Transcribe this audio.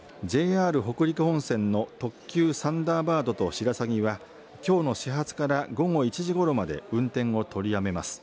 北陸本線の特急サンダーバードとしらさぎはきょうの始発から午後１時ごろまで運転を取りやめます。